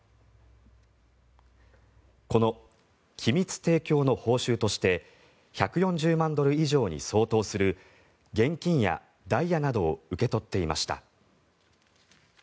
この機密提供の報酬として１４０万ドル以上に相当する現金やダイヤなどを受け取っていました。